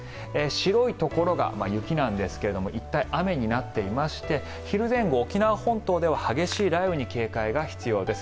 白いところが雪なんですが一帯、雨になっていまして昼前後、沖縄本島では激しい雷雨に警戒が必要です。